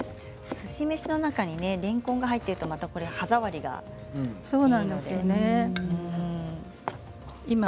すし飯の中にれんこんが入っていると歯触りがいいですよね。